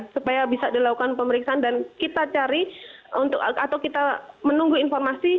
supaya bisa dilakukan pemeriksaan dan kita menunggu informasi